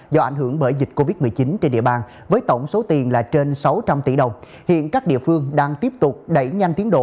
do ảnh hưởng bởi dịch covid một mươi chín trên địa bàn